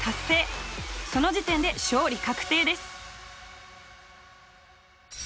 その時点で勝利確定です。